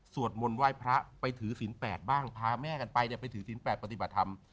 มนต์ไหว้พระไปถือศีล๘บ้างพาแม่กันไปไปถือศีล๘ปฏิบัติธรรม